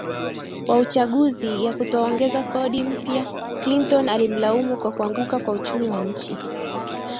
wa uchaguzi ya kutoongeza kodi mpya Clinton alimlaumu kwa kuanguka kwa uchumi wa nchi